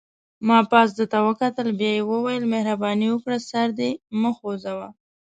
ما پاس ده ته وکتل، بیا یې وویل: مهرباني وکړه سر دې مه خوځوه.